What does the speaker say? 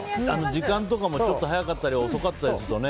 時間とかもちょっと早かったり遅かったりするとね。